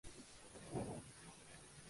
Que la tierra es la patria.